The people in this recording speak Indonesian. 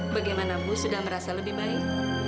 bagaimana bu sudah merasa lebih baik